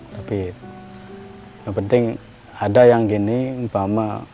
tapi yang penting ada yang gini mpama